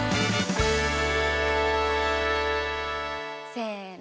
せの！